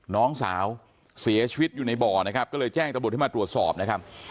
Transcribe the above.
น้องสาวเสียชีวิตอยู่ในบ่อนะครับก็เลยแจ้งตำรวจให้มาตรวจสอบนะครับ